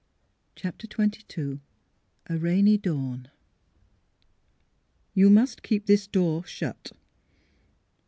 CHAPTER XXII A RAINY DAWN *' You must keep this door shut."